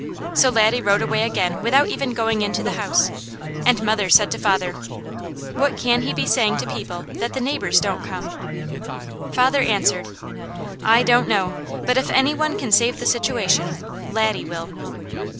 So Laddie rode away again without even going into the house, and mother said to father: "What can he be saying to people, that the neighbours don't come?" Father answered: "I don't know, but if any one can save the situation, Laddie will."